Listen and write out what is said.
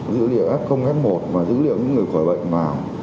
dữ liệu f một và dữ liệu những người khỏi bệnh vào